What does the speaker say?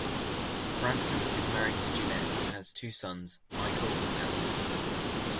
Francis is married to Ginette and has two sons, Michael and Anthony.